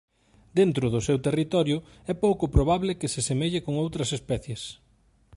Dentro do seu territorio é pouco probable que se semelle con outras especies.